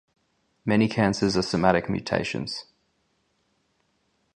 Many cancers are somatic mutations.